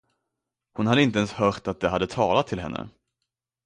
Hon hade inte ens hört att de hade talat till henne.